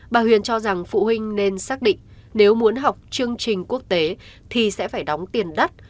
bà huyền cho rằng phụ huynh nên xác định nếu muốn học chương trình quốc tế thì sẽ phải đóng tiền đất